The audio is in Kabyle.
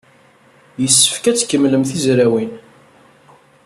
Yessefk ad tkemmlem tizrawin.